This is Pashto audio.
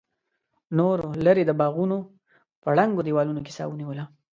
نورو ليرې د باغونو په ړنګو دېوالونو کې سا ونيوله.